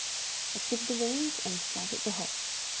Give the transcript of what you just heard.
I took the reins and started the horse.